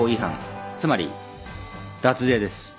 つまり脱税です。